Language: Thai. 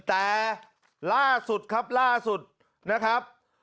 แต่ล่าสุดครับล่าสุดนะครับ